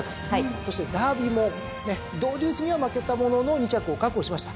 そしてダービーもドウデュースには負けたものの２着を確保しました。